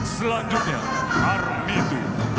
selanjutnya army two